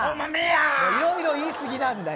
いろいろ言い過ぎなんだよ。